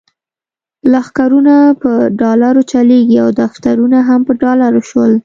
لښکرونه په ډالرو چلیږي او دفترونه هم د ډالر شول.